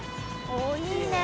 おいいねえ。